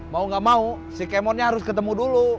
mau nggak mau si kemotnya harus ketemu dulu